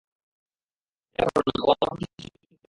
চিন্তা করো না, ও আমার কথা কিছুই শুনতে পাবে না।